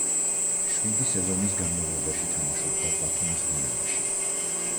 შვიდი სეზონის განმავლობაში თამაშობდა ბათუმის „დინამოში“.